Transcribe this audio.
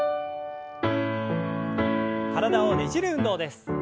体をねじる運動です。